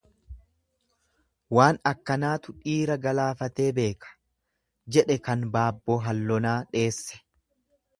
Waan akkanaatu dhiira galaafatee beeka, jedhe kan baabboo hallonaa dheesse.